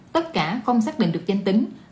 tất cả không xác định được danh tính